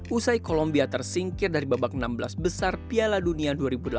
usai kolombia tersingkir dari babak enam belas besar piala dunia dua ribu delapan belas